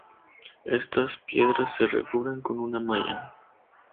Estas piedras se recubren con una malla.